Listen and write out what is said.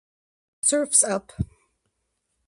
Serfs Up!